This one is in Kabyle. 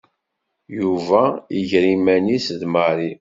Yuba iger iman-is d Mary.